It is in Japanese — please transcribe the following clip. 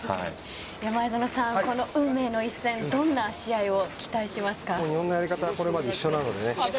前園さん、この運命の一戦どんな試合を期待しますか？